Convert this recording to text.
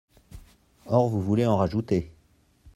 Or vous voulez en rajouter.